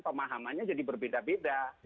pemahamannya jadi berbeda beda